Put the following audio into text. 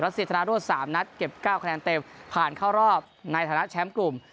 รัสเซียทางรั่วสามนัดเก็บเก้าคะแนนเต็มผ่านเข้ารอบในฐานะแชมป์กลุ่ม